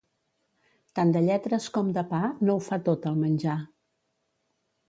Tant de lletres com de pa no ho fa tot el menjar.